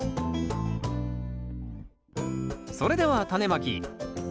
それではタネまき。